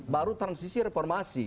baru transisi reformasi